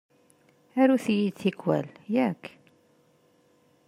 Arut-iyi-d tikwal, yak?